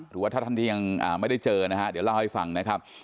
หรือว่าถ้าท่านที่ยังไม่ได้เจอนะฮะเดี๋ยวเล่าให้ฟังนะครับ